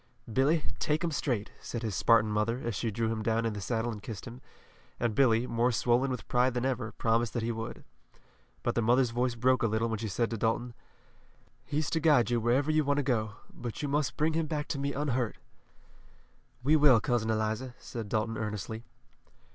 "Billy, take 'em straight," said his Spartan mother, as she drew him down in the saddle and kissed him, and Billy, more swollen with pride than ever, promised that he would. But the mother's voice broke a little when she said to Dalton: "He's to guide you wherever you want to go, but you must bring him back to me unhurt." "We will, Cousin Eliza," said Dalton earnestly.